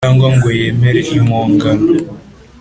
cyangwa ngo yemere impongano,